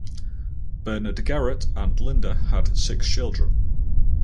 Bernard Garret and Linda had six children.